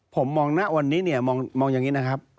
ผมมองนะวันนี้มองอย่างนี้นะครับ